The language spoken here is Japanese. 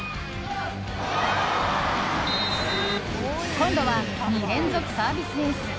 今度は２連続サービスエース！